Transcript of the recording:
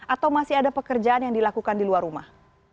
atau masih ada pekerjaan yang dilakukan di luar rumah